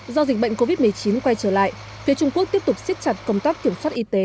do dịch bệnh covid một mươi chín quay trở lại phía trung quốc tiếp tục siết chặt công tác kiểm soát y tế